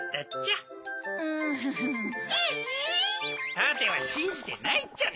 さてはしんじてないっちゃね？